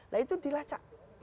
nah itu dilacak